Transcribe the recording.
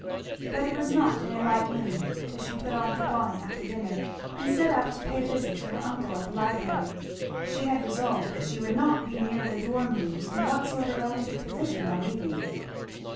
But it was not in a light mood that she put on her bonnet after dinner and set out to pay a visit to her uncle at the library; she had resolved that she would not be near the dormeuse in whatsoever relative position that evening.